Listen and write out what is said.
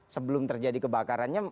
sebelum terjadi kebakarannya